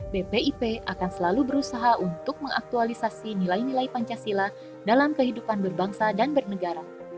bpip akan selalu berusaha untuk mengaktualisasi nilai nilai pancasila dalam kehidupan berbangsa dan bernegara